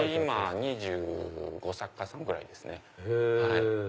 今２５作家さんぐらいですね。